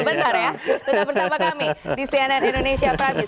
sudah bersama kami di cnn indonesia pramis